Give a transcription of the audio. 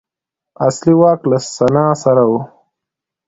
اصلي واک له سنا سره و